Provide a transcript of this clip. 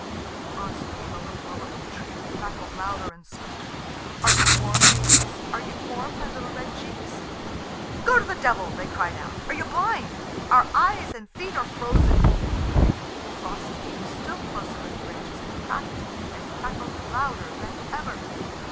Frost came a little lower in the tree, and crackled louder and swifter. "Are you warm, maidens? Are you warm, my little red cheeks?" "Go to the devil!" they cried out. "Are you blind? Our hands and feet are frozen!" Frost came still lower in the branches, and cracked and crackled louder than ever.